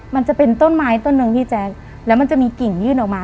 มันจะเป็นต้นไม้ต้นหนึ่งพี่แจ๊คแล้วมันจะมีกิ่งยื่นออกมา